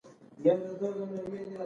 دی په بدعمله مشهور شو.